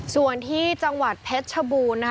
ส่วนที่จังหวัดเพชรชบูรณ์นะคะ